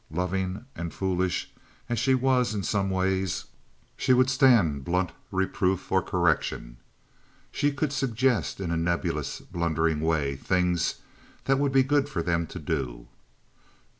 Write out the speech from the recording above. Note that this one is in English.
Loving and foolish as she was in some ways, she would stand blunt reproof or correction. She could suggest in a nebulous, blundering way things that would be good for them to do.